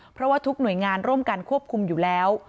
เพราะว่าทุกหน่วยงานร่วมกันควบคุมอยู่แล้ว